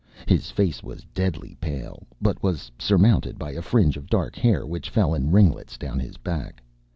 His face was deadly pale, but was surmounted by a fringe of dark hair which fell in ringlets down his back.